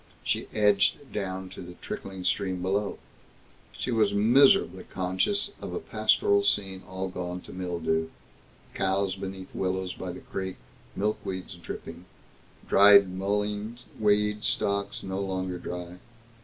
She edged down to the trickling stream below. She was miserably conscious of a pastoral scene all gone to mildew cows beneath willows by the creek, milkweeds dripping, dried mullein weed stalks no longer dry.